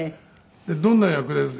「どんな役です？」